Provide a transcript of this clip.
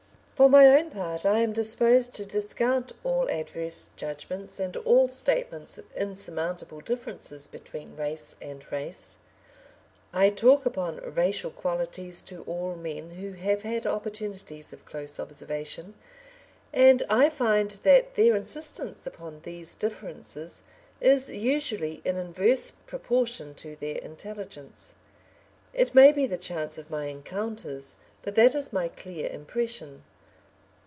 For my own part I am disposed to discount all adverse judgments and all statements of insurmountable differences between race and race. I talk upon racial qualities to all men who have had opportunities of close observation, and I find that their insistence upon these differences is usually in inverse proportion to their intelligence. It may be the chance of my encounters, but that is my clear impression.